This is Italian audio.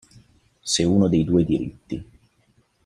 Se uno dei due diritti.